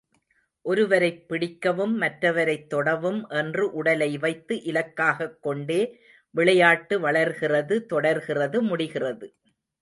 ஒருவரைப் பிடிக்கவும், மற்றவரைத் தொடவும் என்று உடலை வைத்து இலக்காகக் கொண்டே விளையாட்டு வளர்கிறது தொடர்கிறது முடிகிறது.